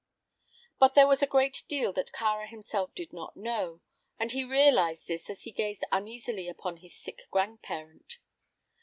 But there was a great deal that Kāra himself did not know, and he realized this as he gazed uneasily upon his sick grandparent.